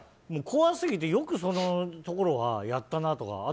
怖すぎて、よくそのところやったなとか。